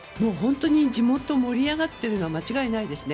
地元が盛り上がっているのは間違いないですね。